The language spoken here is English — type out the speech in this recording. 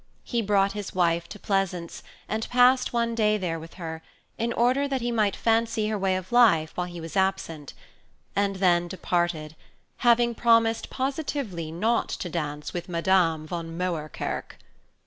He brought his wife to Pleasance, and passed one day there with her, in order that he might fancy her way of life while he was absent; and then departed, having promised positively not to dance with Madame von Moerkerke.